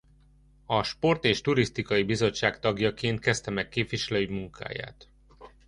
A sport- és turisztikai bizottság tagjaként kezdte meg képviselői munkáját.